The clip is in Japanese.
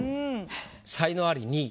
才能アリ２位。